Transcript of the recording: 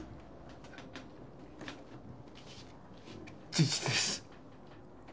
事実です。